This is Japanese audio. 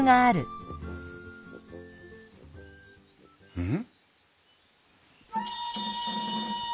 うん？